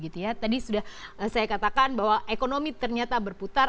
tadi sudah saya katakan bahwa ekonomi ternyata berputar